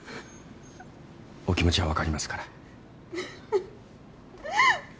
お気持ちは分かりますから。